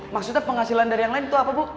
maksudnya penghasilan dari yang lain itu apa bu